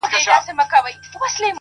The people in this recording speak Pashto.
علم د تصمیم نیولو توان زیاتوي,